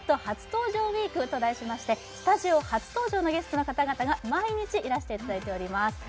初登場ウィークと題しましてスタジオ初登場のゲストの方々が毎日いらしていただいております。